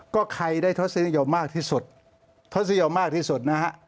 ก็ใครได้ทศนิยมมากที่สุดทศนิยมมากที่สุดนะฮะ